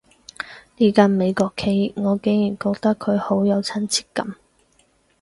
呢間美國企業，我竟然覺得佢好有親切感